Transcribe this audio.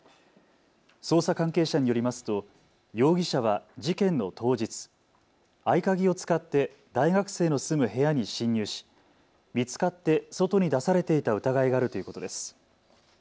捜査関係者によりますと容疑者は事件の当日、合鍵を使って大学生の住む部屋に侵入し、見つかって外に出されていた疑いがあるということです。